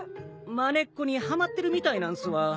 まねっこにハマってるみたいなんすわ。